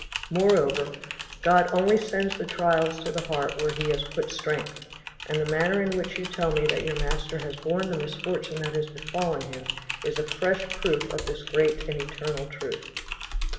"Moreover, God only sends the trial to the heart where He has put strength, and the manner in which you tell me that your master has borne the misfortune that has befallen him is a fresh proof of this great and eternal truth.